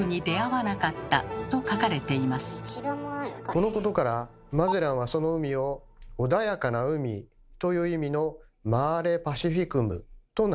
このことからマゼランはその海を「穏やかな海」という意味の「マーレ・パシフィクム」と名付けました。